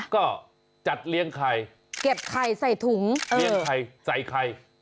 ก็จัดเลี้ยงไข่เก็บไข่ใส่ถุงเลี้ยงไข่ใส่ไข่